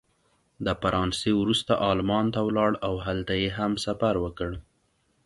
د فرانسې وروسته المان ته ولاړ او هلته یې هم سفر وکړ.